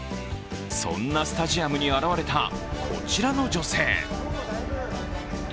そんなスタジアムに現れたこちらの女性。